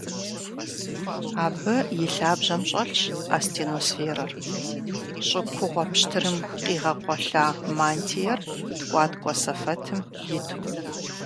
Абы и лъабжьэм щӀэлъщ астеносферэр: щӀы кугъуэ пщтырым къигъэкъуэлъа мантиер ткӀуаткӀуэ сэфэтым иту.